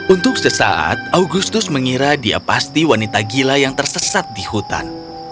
untuk sesaat augustus mengira dia pasti wanita gila yang tersesat di hutan